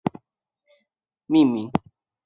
荃湾线以北端的总站设于荃湾站而命名。